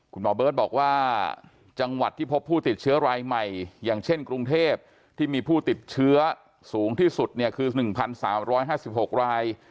คุณหมอเบิร์ตบอกว่าจังหวัดที่พบผู้ติดเชื้อรายใหม่อย่างเช่นกรุงเทพที่มีผู้ติดเชื้อสูงที่สุดเนี่ยคือ๑๓๕๖ราย